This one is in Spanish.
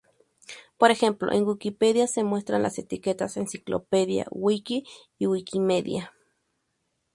Por ejemplo, en Wikipedia se muestran las etiquetas enciclopedia, wiki y wikimedia.